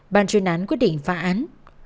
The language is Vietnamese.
ban chuyên án quyết định phá án